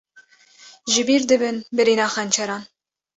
Jibîr dibin birîna xençeran